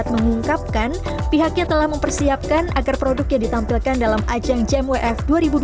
mengungkapkan pihaknya telah mempersiapkan agar produk yang ditampilkan dalam ajang jmwf dua ribu dua puluh